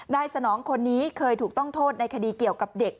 สนองคนนี้เคยถูกต้องโทษในคดีเกี่ยวกับเด็ก